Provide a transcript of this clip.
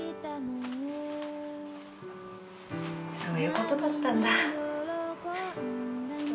そういうことだったんだ。